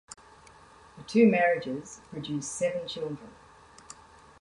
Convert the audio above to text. The two marriages produced seven children.